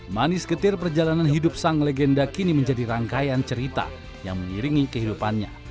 manis getir perjalanan hidup sang legenda kini menjadi rangkaian cerita yang mengiringi kehidupannya